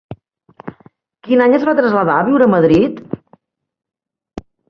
Quin any es va traslladar a viure a Madrid?